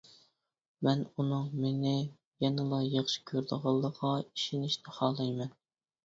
مەن ئۇنىڭ مېنى يەنىلا ياخشى كۆرىدىغانلىقىغا ئىشىنىشنى خالايمەن.